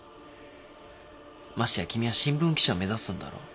ましてや君は新聞記者目指すんだろ？